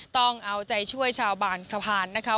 ต้องเอาใจช่วยชาวบ้านสะพานนะคะ